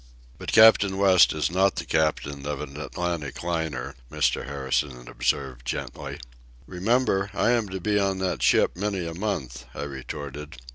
"But Captain West is not the captain of an Atlantic liner," Mr. Harrison observed gently. "Remember, I am to be on that ship many a month," I retorted.